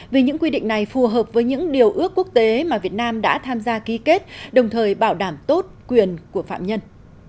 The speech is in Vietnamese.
vì những quy định này phù hợp với những điều ước quốc tế mà việt nam đã tham gia ký kết đồng thời bảo đảm tốt quyền của phạm nhân